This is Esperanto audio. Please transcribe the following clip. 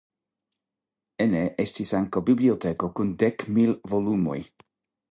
Ene estis ankaŭ biblioteko kun dek mil volumoj.